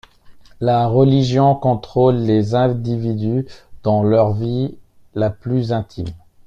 La religion contrôle les individus dans leur vie la plus intime.